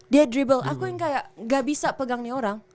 dia dribble aku yang kayak gak bisa pegang nih orang